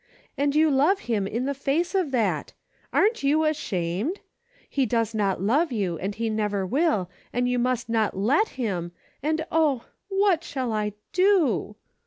And you love him in the fade of that ! Aren't you ashamed ! He does not love you, and he never will, and you must not let him, and oh — what shall I do